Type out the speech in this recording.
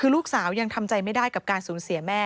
คือลูกสาวยังทำใจไม่ได้กับการสูญเสียแม่